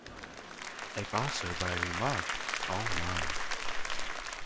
A passer-by remarked, Oh, my!